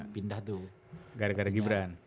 pindah tuh gara gara gibran